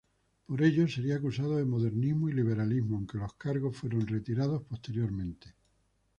Por ello sería acusado de modernismo y liberalismo, aunque los cargos fueron retirados posteriormente.